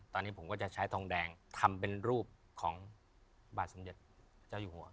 ตอนนี้ผมก็จะใช้ทองแดงทำเป็นรูปของบาทสมเด็จเจ้าอยู่หัว